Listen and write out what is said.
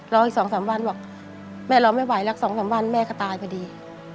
รออีก๒๓วันบอกแม่รอไม่ไหวแล้ว๒๓วันแม่ก็ตายพอดี